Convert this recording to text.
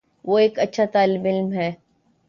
وہ ایک اچھا طالب علم ہے